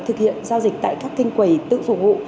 thực hiện giao dịch tại các kênh quầy tự phục vụ